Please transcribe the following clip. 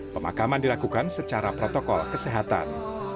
pemakaman dilakukan secara protokol kesehatan